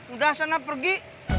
udah sana pergi